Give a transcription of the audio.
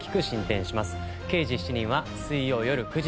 『刑事７人』は水曜よる９時です。